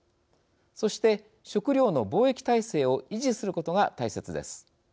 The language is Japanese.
そして、食料の貿易体制を維持することが大切です。